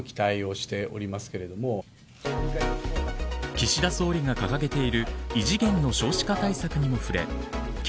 岸田総理が掲げている異次元の少子化対策にも触れ県